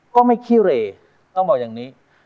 ก็ไม่ขี้เรต้องบอกอย่างนี้